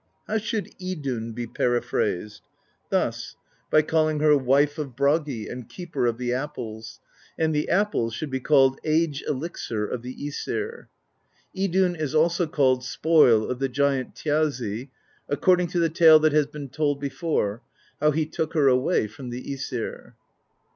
How should Idunn be periphrased ? Thus : by call 130 PROSE EDDA ing her Wife of Bragi, and Keeper of the Apples; and the apples should be called Age Elixir of the Msir. Idunn is also called Spoil of the Giant Thjazi, according to the tale that has been told before, how he took her away from the iEsir.